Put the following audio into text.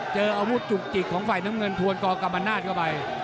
เจออาวุธจุกจิกของฝ่ายน้ำเงินทวนกรกรรมนาศเข้าไป